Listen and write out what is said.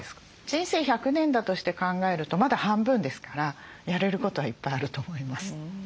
人生１００年だとして考えるとまだ半分ですからやれることはいっぱいあると思います。